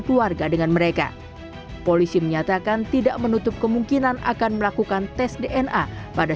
keluarga dengan mereka polisi menyatakan tidak menutup kemungkinan akan melakukan tes dna pada